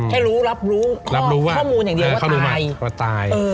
ให้รู้รับรู้ข้อมูลอย่างเดียวว่าตาย